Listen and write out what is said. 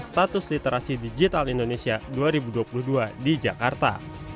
status literasi digital indonesia dua ribu dua puluh dua di jakarta